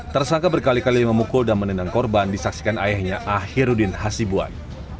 tersangka berkali kali memukul dan menendang korban disaksikan ayahnya ahirudin hasibuan